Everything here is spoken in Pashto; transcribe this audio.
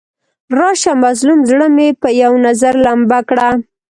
راشه مظلوم زړه مې په یو نظر لمبه کړه.